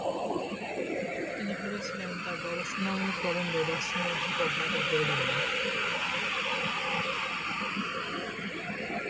তিনি ভেবেছিলেন তার গবেষণামূলক প্রবন্ধ দর্শনের অধ্যাপক বাতিল করে দেবেন।